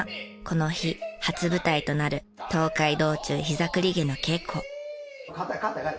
この日初舞台となる『東海道中膝栗毛』の稽古。